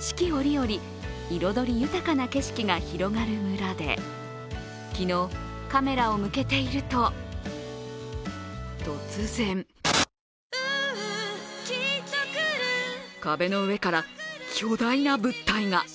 四季折々、彩り豊かな景色が広がる村で昨日、カメラを向けていると、突然壁の上から巨大な物体が。